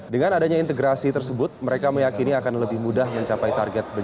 dengan adanya integrasi tersebut mereka meyakini akan lebih mudah mencapai target